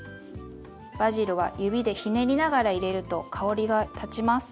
バジルは指でひねりながら入れると香りが立ちます。